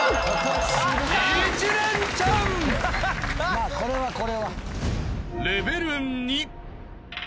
まあこれはこれは。